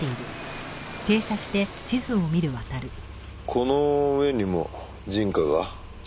この上にも人家が？